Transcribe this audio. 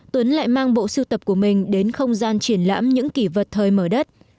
tuấn lại mang bộ sưu tập của mình đến không gian triển lãm những kỷ vật thời mở đất